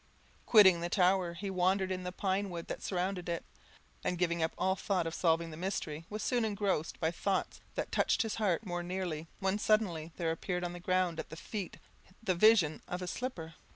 Quitting the tower, he wandered in the pine wood that surrounded it, and giving up all thought of solving the mystery, was soon engrossed by thoughts that touched his heart more nearly, when suddenly there appeared on the ground at his feet the vision of a slipper.